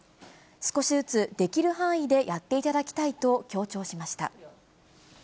少しずつできる範囲でやっていただきたいと強調しました。